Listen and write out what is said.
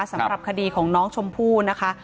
สำหรับคดีของน้องชมพู่นะคะ